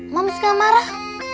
moms nggak marah